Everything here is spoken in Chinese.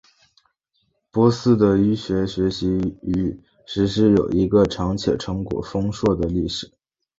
波斯的医学的学习与实施有一个长且成果丰硕的历史。